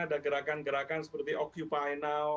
ada gerakan gerakan seperti occupy now